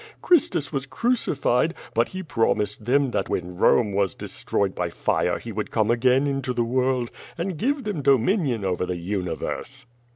Christus was crucified, but he promised them that when Rome was destroyed by fire he would come again into the world, and give them dominion over the universe.